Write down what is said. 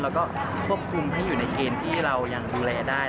แล้วก็ควบคุมให้อยู่ในเกณฑ์ที่เรายังดูแลได้